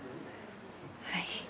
はい。